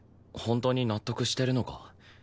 本当に納得してるのか？